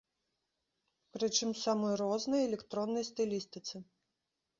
Прычым у самой рознай электроннай стылістыцы.